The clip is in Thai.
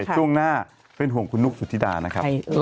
ช่วงหน้าเป็นห่วงคุณนุกสุธิดานะครับ